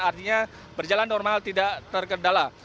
artinya berjalan normal tidak terkendala